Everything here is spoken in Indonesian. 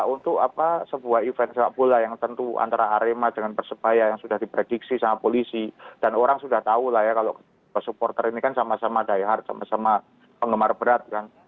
untuk sebuah event sepak bola yang tentu antara arema dengan persebaya yang sudah diprediksi sama polisi dan orang sudah tahu lah ya kalau supporter ini kan sama sama diehard sama sama penggemar berat kan